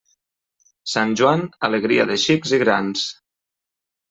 Sant Joan, alegria de xics i grans.